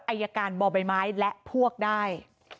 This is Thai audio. อัยการบบไม้ไม้และพวกได้